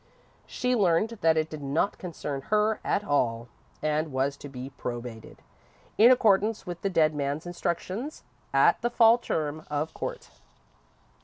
She learned that it did not concern her at all, and was to be probated, in accordance with the dead man's instructions, at the Fall term of court.